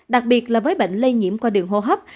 đặc biệt là với bệnh lây nhiễm qua đường hô hấp